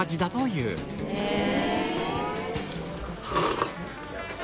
へえ。